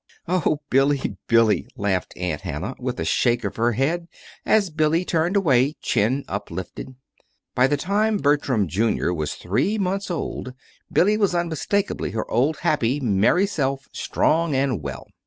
"Oh, Billy, Billy," laughed Aunt Hannah, with a shake of her head as Billy turned away, chin uptilted. By the time Bertram, Jr., was three months old, Billy was unmistakably her old happy, merry self, strong and well.